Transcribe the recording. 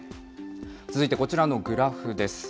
続いてこちらのグラフです。